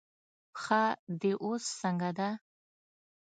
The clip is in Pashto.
پښه دې اوس څنګه ده؟